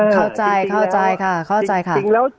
เข้าใจค่ะ